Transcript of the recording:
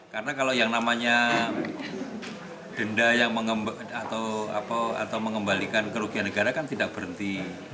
karena kalau yang namanya denda yang mengembalikan kerugian negara kan tidak berhenti